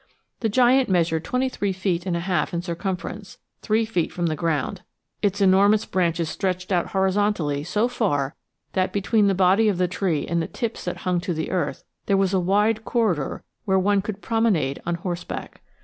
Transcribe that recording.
The giant measured twenty three feet and a half in circumference, three feet from the ground. Its enormous branches stretched out horizontally so far that, between the body of the tree and the tips that hung to the earth, there was a wide corridor where one could promenade on horseback.